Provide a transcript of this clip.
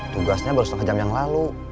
tugasnya baru setengah jam yang lalu